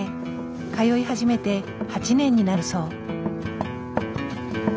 通い始めて８年になるそう。